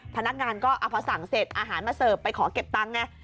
พนักงานก็เอาพอสั่งเสร็จอาหารมาเสิร์ฟไปขอเก็บตังค์ไง